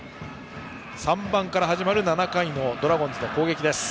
３番から始まる７回のドラゴンズの攻撃です。